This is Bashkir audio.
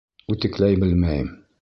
Үтекләй белмәйем.